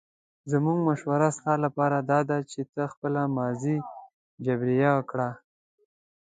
زموږ مشوره ستا لپاره داده چې ته خپله ماضي جبیره کړه.